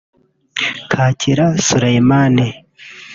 Kakyira Suleiman